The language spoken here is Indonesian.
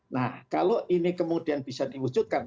nah kalau ini kemudian bisa diwujudkan